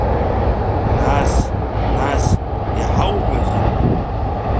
Нас, нас, иҳауҳәозеи?